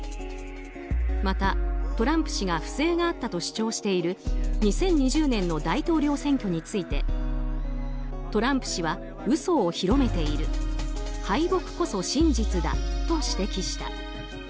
また、トランプ氏が不正があったと主張している２０２０年の大統領選挙についてトランプ氏は嘘を広めている敗北こそ真実だと指摘した。